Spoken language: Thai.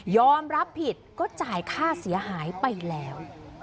รับผิดก็จ่ายค่าเสียหายไปแล้ว